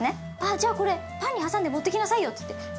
「あじゃあこれパンに挟んで持っていきなさいよ」って言って。